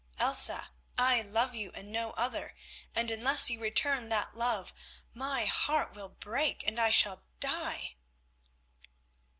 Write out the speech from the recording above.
"Elsa, I love you and no other, and unless you return that love my heart will break and I shall die."